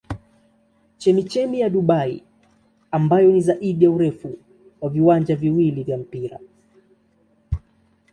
Chemchemi ya Dubai ambayo ni zaidi ya urefu wa viwanja viwili vya mpira.